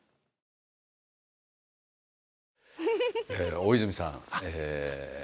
大泉さん